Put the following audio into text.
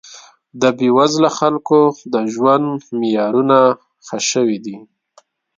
د بې وزله خلکو د ژوند معیارونه ښه شوي دي